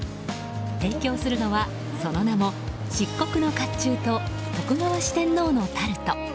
提供するのはその名も漆黒の甲冑と徳川四天王のタルト。